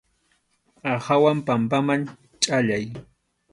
Aqhawan pampaman chʼallay.